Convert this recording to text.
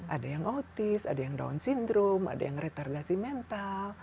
ada yang autis ada yang down syndrome ada yang retargasi mental